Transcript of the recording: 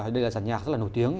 đây là giàn nhạc rất là nổi tiếng